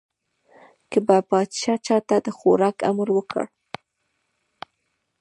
که به پاچا چا ته د خوراک امر وکړ.